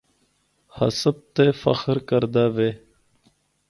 حسب تے فخر کردا وے۔